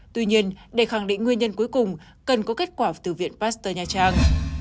tuy nhiên để khẳng định nguyên nhân cuối cùng cần có kết quả từ viện pasteur nha trang